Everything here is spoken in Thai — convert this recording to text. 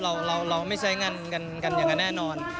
เราไม่ใช้งานกันอย่างนั้นแน่นอน